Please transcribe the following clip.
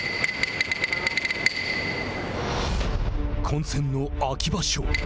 混戦の秋場所。